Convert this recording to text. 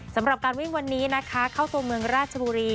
สำหรับการวิ่งวันนี้นะคะเข้าตัวเมืองราชบุรี